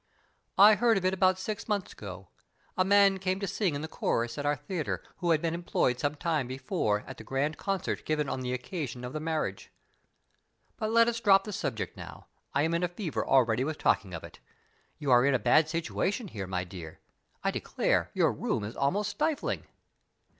"I heard of it about six months ago. A man came to sing in the chorus at our theater who had been employed some time before at the grand concert given on the occasion of the marriage. But let us drop the subject now. I am in a fever already with talking of it. You are in a bad situation here, my dear; I declare your room is almost stifling."